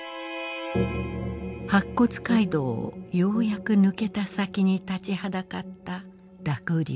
白骨街道をようやく抜けた先に立ちはだかった濁流。